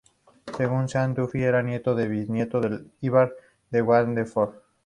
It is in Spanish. Según Seán Duffy era nieto o bisnieto de Ivar de Waterford.